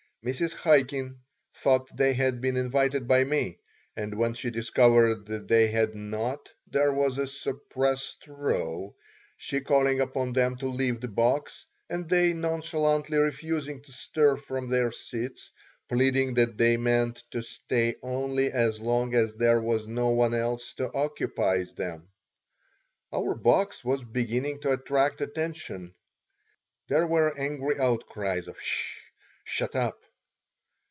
Mrs. Chaikin thought they had been invited by me, and when she discovered that they had not there was a suppressed row, she calling upon them to leave the box and they nonchalantly refusing to stir from their seats, pleading that they meant to stay only as long as there was no one else to occupy them. Our box was beginning to attract attention. There were angry outcries of "'S sh!" "Shut up!"